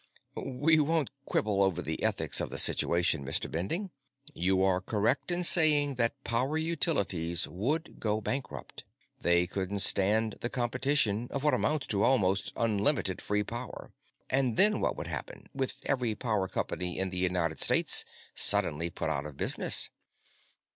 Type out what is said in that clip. "We won't quibble over the ethics of the situation, Mr. Bending. You are correct in saying that Power Utilities would be bankrupt. They couldn't stand the competition of what amounts to almost unlimited free power. And then what would happen, with every power company in the United States suddenly put out of business?"